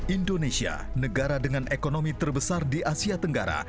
indonesia negara dengan ekonomi terbesar di asia tenggara